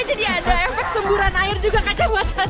jadi ada efek semburan air juga kacau banget